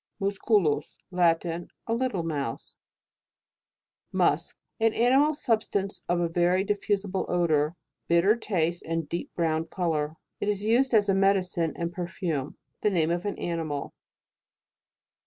MUSCULUS. Latin. A little mouse. MUSK. An animal substance of a very diffusible odour, bitter taste, and deep brown colour. It is used as a medicine and perfume. The name of an animal.